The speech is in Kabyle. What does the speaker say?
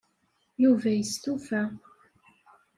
Yuba yestufa.